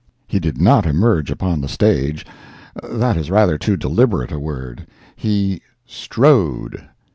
He did not emerge upon the stage—that is rather too deliberate a word—he strode.